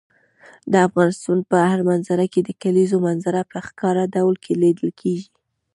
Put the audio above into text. د افغانستان په هره منظره کې د کلیزو منظره په ښکاره ډول لیدل کېږي.